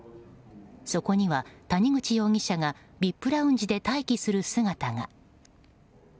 そこには谷口容疑者がＶＩＰラウンジで待機する姿が。